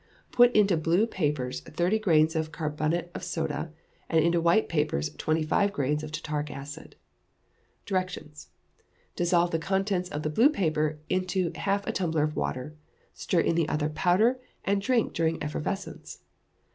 Put into blue papers thirty grains of carbonate of soda, and into white papers twenty five grains of tartaric acid. Directions. Dissolve the contents of the blue paper in half a tumbler of water, stir in the other powder, and drink during effervescence.